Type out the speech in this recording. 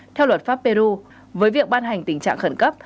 theo luật pháp peru với việc ban hành tình trạng khẩn cấp